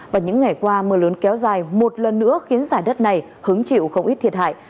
và những ngày qua mưa lớn kéo dài một lần nữa khiến giải đất này hứng chịu không ít thiệt hại